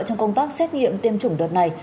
trong công tác xét nghiệm tiêm chủng đợt này